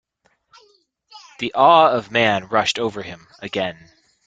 The awe of man rushed over him again.